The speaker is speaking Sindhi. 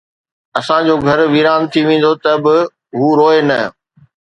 اسان جو گهر ويران ٿي ويندو ته به هو روئي نه